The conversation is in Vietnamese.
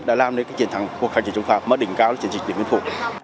đã làm đến cái chiến thắng cuộc khả năng chiến trung pháp mở đỉnh cao chiến dịch điện biên phủ